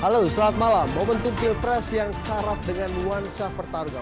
halo selamat malam momentum pilpres yang syarat dengan nuansa pertarungan